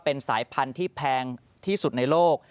เป็นสายพันธุ์ที่แพงที่สุดในโลก